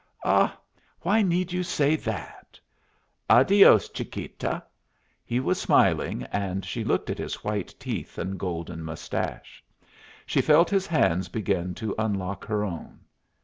"Ah, why need you say that?" "Adios, chiquita." He was smiling, and she looked at his white teeth and golden mustache. She felt his hands begin to unlock her own.